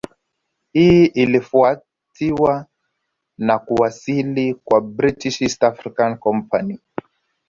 Hii ilifuatiwa na kuwasili kwa British East Africa Company